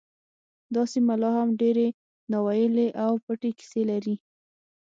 دا سیمه لا هم ډیرې ناوییلې او پټې کیسې لري